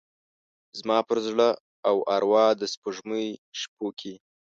زما پر زړه او اروا د سپوږمۍ شپوکې،